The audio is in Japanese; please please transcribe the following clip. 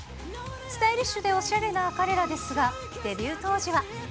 スタイリッシュでおしゃれな彼らですが、デビュー当時は。